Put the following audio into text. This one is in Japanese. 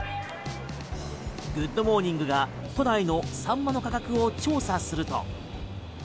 「グッド！モーニング」が都内のサンマの価格を調査すると。